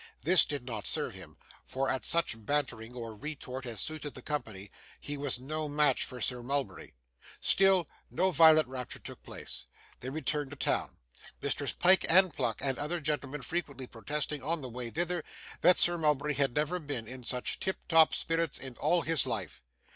This did not serve him; for, at such bantering or retort as suited the company, he was no match for Sir Mulberry. Still, no violent rupture took place. They returned to town; Messrs Pyke and Pluck and other gentlemen frequently protesting, on the way thither, that Sir Mulberry had never been in such tiptop spirits in all his life.